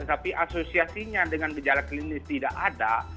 tapi asosiasinya dengan gejala klinis tidak ada